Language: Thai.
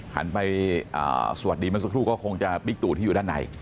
หันไปสวัสดีเมื่อสักครู่ก็คงจะบิ๊กตู่ที่อยู่ด้านใน